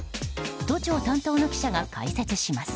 都庁担当の記者が解説します。